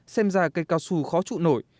xem ra cây cao su khó trụ nổi